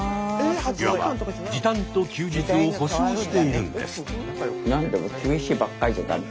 いわば時短と休日を保証しているんです。